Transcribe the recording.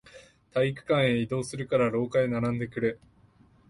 体育館へ移動するから、廊下へ並んでくれ。